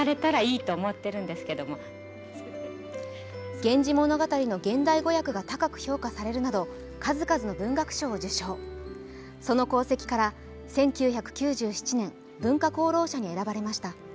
「源氏物語」の現代語訳が高く評価されるなど数々の文学賞を受賞、その功績から１９９７年、文化功労者に選ばれました。